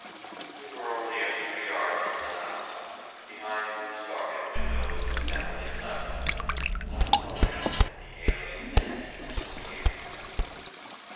We were only a few yards from the house, behind whose darkened windows the family slept, not knowing that the alien enemy were so near.